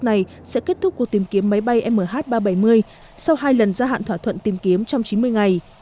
này sẽ kết thúc cuộc tìm kiếm máy bay mh ba trăm bảy mươi sau hai lần gia hạn thỏa thuận tìm kiếm trong chín mươi ngày